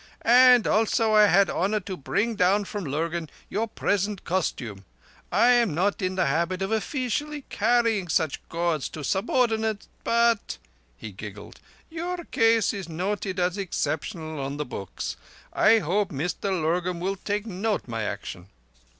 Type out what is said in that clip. "And also I had honour to bring down from Lurgan your present costume. I am not in the habit offeecially of carrying such gauds to subordinates, but"—he giggled—"your case is noted as exceptional on the books. I hope Mr Lurgan will note my action."